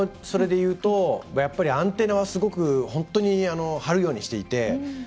それでいうとやっぱりアンテナは、すごく本当に張るようにしていて。